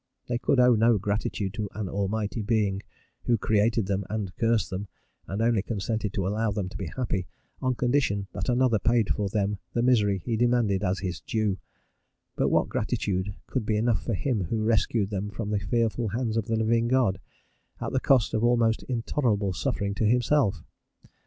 They could owe no gratitude to an Almighty Being who created them and cursed them, and only consented to allow them to be happy on condition that another paid for them the misery he demanded as his due; but what gratitude could be enough for him who rescued them from the fearful hands of the living God, at the cost of almost intolerable suffering to himself?